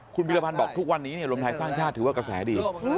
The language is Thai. คุณพิรพันธ์บอกทุกวันนี้รวมไทยสร้างชาติถือว่ากระแสดี